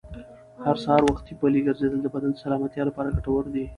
هر سهار وختي پلي ګرځېدل د بدن د سلامتیا لپاره ډېر ګټور دي.